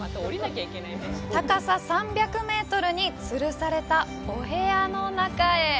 高さ３００メートルにつるされたお部屋の中へ。